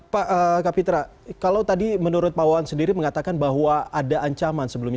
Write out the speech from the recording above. pak kapitra kalau tadi menurut pak wawan sendiri mengatakan bahwa ada ancaman sebelumnya